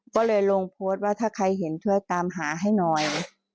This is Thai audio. ก็เลยลงโพสต์ว่าถ้าใครเห็นช่วยตามหาให้หน่อย